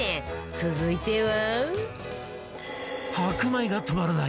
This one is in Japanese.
続いては